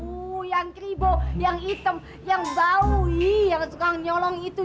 oh yang keribu yang hitam yang bau iiih yang suka nyolong itu